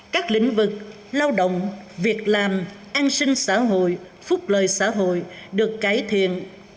các lĩnh vực lao động việc làm an sinh xã hội phúc lợi xã hội được cải thiện